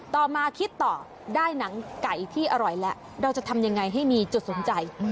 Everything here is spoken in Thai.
ต่อมาคิดต่อได้หนังไก่ที่อร่อยแล้วเราจะทำยังไงให้มีจุดสนใจ